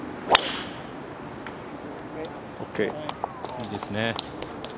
いいですね。